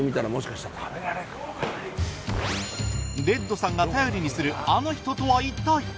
レッドさんが頼りにするあの人とは一体？